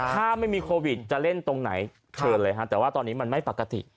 ถ้าไม่มีโควิดจะเล่นตรงไหนเชิญเลยฮะแต่ว่าตอนนี้มันไม่ปกติ